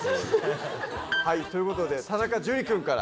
はいということで田中樹くんから。